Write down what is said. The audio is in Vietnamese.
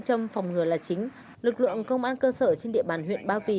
trong phòng ngừa là chính lực lượng công an cơ sở trên địa bàn huyện ba vì